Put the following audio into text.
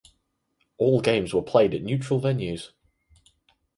All games were played at neutral venues.